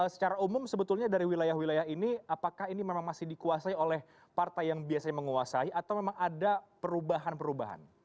secara umum sebetulnya dari wilayah wilayah ini apakah ini memang masih dikuasai oleh partai yang biasanya menguasai atau memang ada perubahan perubahan